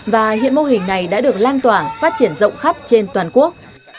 và hiện mô hình này đã được lan tỏa phát triển rộng khắp trên toàn quốc